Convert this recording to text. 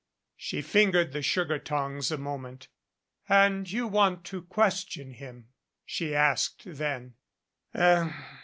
She fingered the sugar tongs a moment. "And you want to question him?" she asked then.